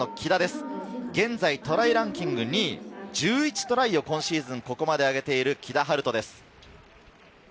１１番の木田、現在、トライランキング２位、１１トライを今シーズン、ここまで上げている木田晴斗です。